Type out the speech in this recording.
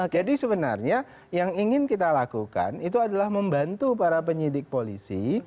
sebenarnya yang ingin kita lakukan itu adalah membantu para penyidik polisi